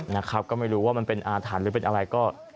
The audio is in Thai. นะครับก็ไม่รู้ว่ามันเป็นอาถรรพ์หรือเป็นอะไรก็